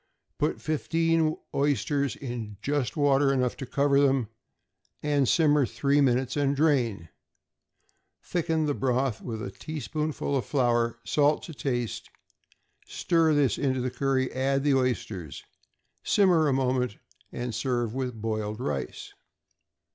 Put fifteen oysters in just water enough to cover them, simmer three minutes, and drain; thicken the broth with a teaspoonful of flour, salt to taste, stir this into the curry; add the oysters, simmer a moment, and serve with boiled rice.